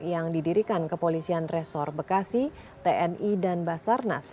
yang didirikan kepolisian resor bekasi tni dan basarnas